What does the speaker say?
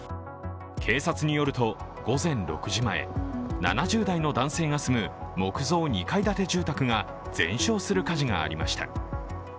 警察によると午前６時前、７０代の男性が住む木造２階建て住宅が全焼する火事がありました。